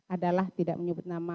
ada lah tidak menyebut nama